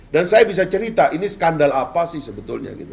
dan saya bisa cerita ini skandal apa sih sebetulnya gitu